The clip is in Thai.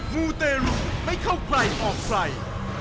มูเตรุไม่เข้าใครออกใคร